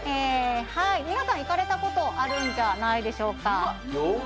皆さん行かれたことあるんじゃないでしょうか